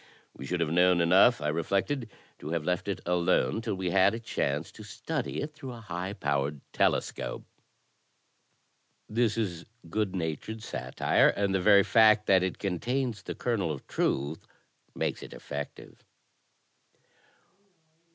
We should have known enough, I reflected, to have left it alone till we had a chance to study it through a high powered telescope. This is good natured satire, and the very fact that it con tains the kernel of truth makes it effective.